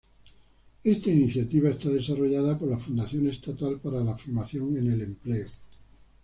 Esta iniciativa está desarrollada por la Fundación Estatal para la Formación en el Empleo.